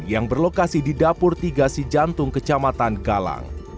yang berlokasi di dapur tiga si jantung kecamatan galang